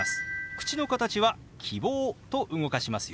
口の形は「キボー」と動かしますよ。